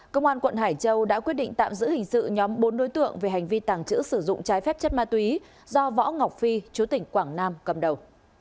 công an quận hải châu đã quyết định tạm giữ hình sự nhóm bốn đối tượng về hành vi tàng trữ sử dụng trái phép chất ma túy do võ ngọc phi chú tỉnh quảng nam cầm đầu